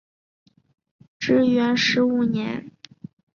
至元十五年。